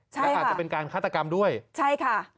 และอาจจะเป็นการฆาตกรรมด้วยใช่ค่ะ